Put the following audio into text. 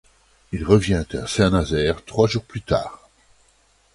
Il revient à Saint-Nazaire trois jours plus tard.